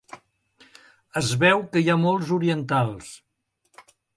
Es veu que hi ha molts orientals.